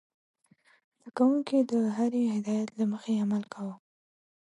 زده کوونکي د هرې هدايت له مخې عمل کاوه.